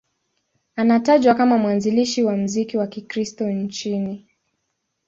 Anatajwa kama mwanzilishi wa muziki wa Kikristo nchini.